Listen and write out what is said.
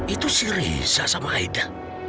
itu si riza sama aida